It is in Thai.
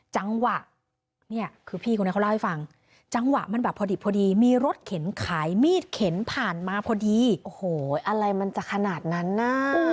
จังหวะเนี่ยคือพี่คนนี้เขาเล่าให้ฟังจังหวะมันแบบพอดีมีรถเข็นขายมีดเข็นผ่านมาพอดีโอ้โหอะไรมันจะขนาดนั้นน่ะ